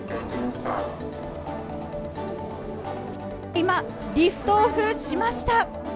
今、リフトオフしました。